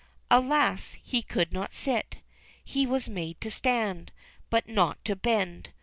Alas, he could not sit ! He was made to stand, but not to bend.